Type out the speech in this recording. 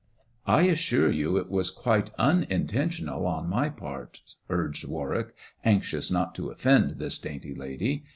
"I assure you it was quite unintentional on my part," urged Warwick, anxious not to offend this dainty lady.